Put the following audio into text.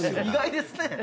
意外ですね。